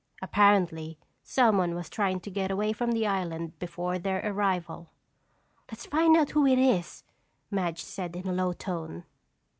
Apparently, someone was trying to get away from the island before their arrival. "Let's find out who it is," Madge said in a low tone.